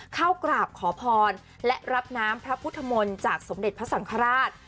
เข้ากราบขอพรและรับน้ำพระพุทธมนต์จากสมเด็จพระสังฆราช